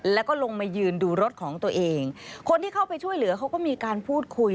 แล้วก็ลงมายืนดูรถของตัวเองคนที่เข้าไปช่วยเหลือเขาก็มีการพูดคุย